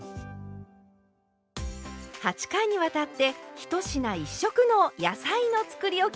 ８回にわたって「１品１色の野菜のつくりおき」